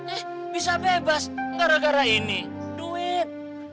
eh bisa bebas gara gara ini duit